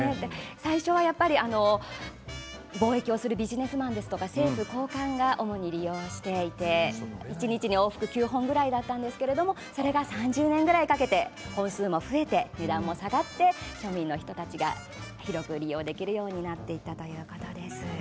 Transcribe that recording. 最初はやっぱり貿易をするビジネスマンとか政府の高官が主に利用していて一日に往復９本ぐらいだったんですが３０年ぐらいかけて本数が増えて値段も下がって庶民の人たちが広く利用できるようになりました。